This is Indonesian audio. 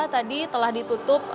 tadi telah ditutup